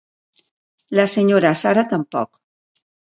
La Sra. Sarah tampoc.